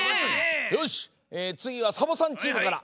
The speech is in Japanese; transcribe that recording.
よしつぎはサボさんチームから。